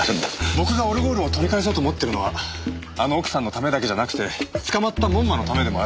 僕がオルゴールを取り返そうと思ってるのはあの奥さんのためだけじゃなくて捕まった門馬のためでもあるんです。